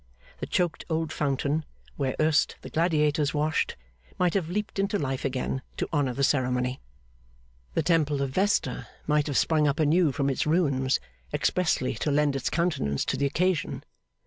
The choked old fountain, where erst the gladiators washed, might have leaped into life again to honour the ceremony. The Temple of Vesta might have sprung up anew from its ruins, expressly to lend its countenance to the occasion.